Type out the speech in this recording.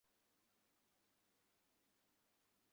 তুই কি এইভাবে তোর ছোট্ট বোনটাকে কষ্ট দিতে চাস?